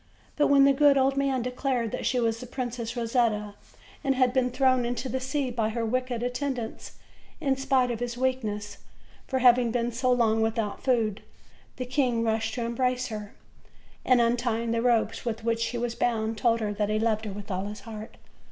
But when the good old man declared that she was the Princess Ro setta, and had been thrown into the sea by her wicked at tendants, in spite of his weakness from having been so long without food, the king rushed to embrace her, and, untying the ropes with which she was bound, told her that he loved her with all his heart.